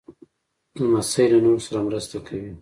لمسی له نورو سره مرسته کوي.